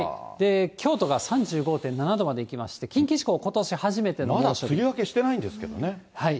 京都が３５．７度までいきまして、近畿地方、まだ梅雨明けしてないんですはい。